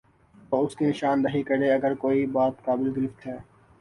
تو اس کی نشان دہی کرے اگر کوئی بات قابل گرفت ہے۔